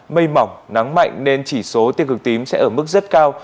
mây mỏng nắng mạnh nên chỉ số tiêu cực tím sẽ ở mức rất cao